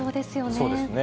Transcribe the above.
そうですね。